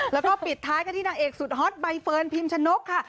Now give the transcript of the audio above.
แล้วก็ปิดท้ายกันที่นางเอกสุดฮอตใบเฟิร์นพิมชนกค่ะ